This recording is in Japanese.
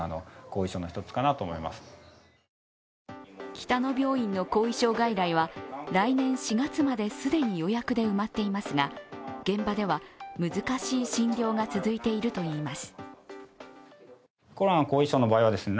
北野病院の後遺症外来は、来年４月まで既に予約で埋まっていますが現場では難しい診療が続いているといいます。